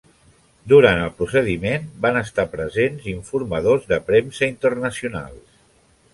Durant el procediment van estar presents informadors de premsa internacionals.